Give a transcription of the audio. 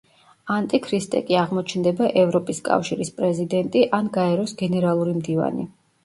ანტიქრისტე კი აღმოჩნდება ევროპის კავშირის პრეზიდენტი ან გაეროს გენერალური მდივანი.